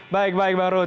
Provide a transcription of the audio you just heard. baik baik bang ruhut